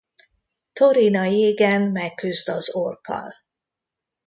Thorin a jégen megküzd az orkkal.